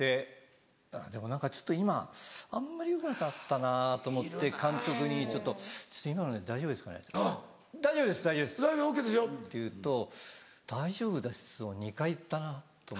でも何かちょっと今あんまりよくなかったなと思って監督に「今ので大丈夫ですかね」「大丈夫です大丈夫です」。「大丈夫ＯＫですよ」。って言うと「大丈夫です」を２回言ったなと。